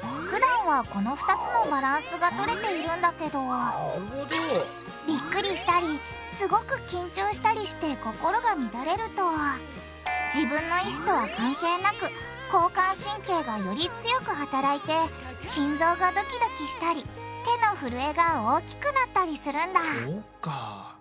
ふだんはこの２つのバランスがとれているんだけどびっくりしたりすごく緊張したりして心が乱れると自分の意思とは関係なく交感神経がより強くはたらいて心臓がドキドキしたり手のふるえが大きくなったりするんだそうか。